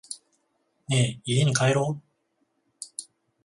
ねぇ、家に帰ろう。